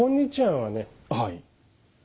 はい。